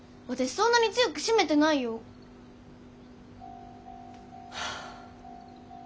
そんなに強く閉めてないよ。はあ。